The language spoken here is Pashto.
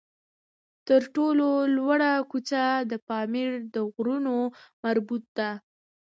تر ټولو لوړه څوکه د پامیر د غرونو مربوط ده